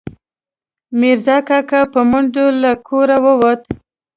میرزا کاکا، په منډه له کوره ووت